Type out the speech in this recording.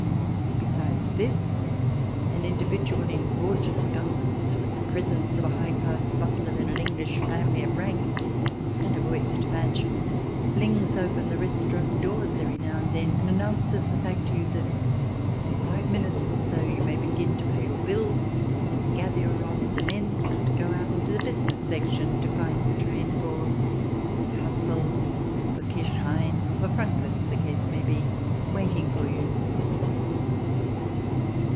Besides this, an individual in gorgeous garments, with the presence of a high class butler in an English family of rank and a voice to match, flings open the restaurant doors every now and then, and announces the fact to you that in five minutes or so you may begin to pay your bill, and gather your odds and ends and go out into the business section to find the train for Cassel, for Kirchain or for Frankfurt, as the case may be, waiting for you.